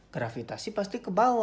gravitasi pasti ke bawah